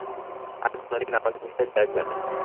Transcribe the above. আর কোনো দিন আমাকে পিশাচ ডাকবে না।